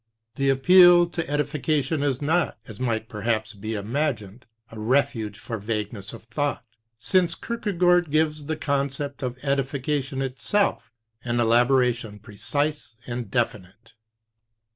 The appeal to edi fication is not, as might perhaps be imagined, a refuge for vagueness of thought, since Kierkegaard gives the concept of edification itself an elaboration precise and definite.